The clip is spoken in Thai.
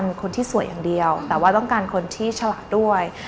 เป็นคนที่สวยอย่างเดียวแต่ว่าต้องการคนที่ฉลาดด้วย